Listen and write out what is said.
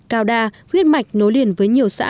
cao đa huyết mạch nối liền với nhiều xã